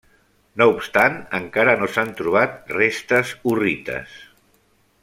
No obstant encara no s'han trobat restes hurrites.